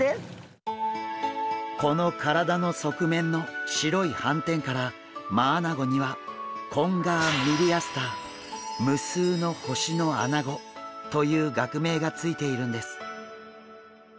この体の側面の白い斑点からマアナゴには「無数の星のアナゴ」という学名が付いているんです。